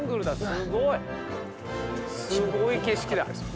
すごい景色だ。